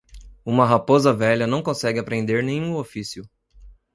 Uma raposa velha não consegue aprender nenhum ofício.